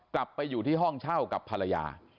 กลับไปอยู่ที่ห้องเช่ากับภรรยา